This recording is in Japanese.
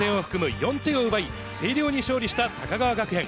４点を奪い、星稜に勝利した高川学園。